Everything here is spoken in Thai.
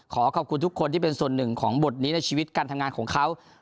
ขอขอบคุณทุกคนที่เป็นส่วนหนึ่งของบทนี้ในชีวิตการทำงานของเขา